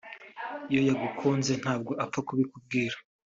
Iyo yagukunze ntabwo apfa kubikubwira